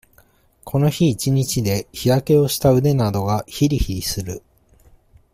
この日一日で、日焼けをした腕などが、ひりひりする。